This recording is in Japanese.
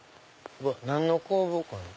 何の工房かな？